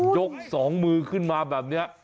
สองมือขึ้นมาแบบนี้